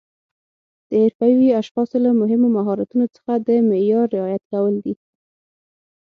د حرفوي اشخاصو له مهمو مهارتونو څخه د معیار رعایت کول دي.